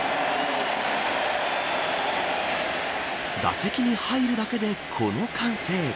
打席に入るだけでこの歓声。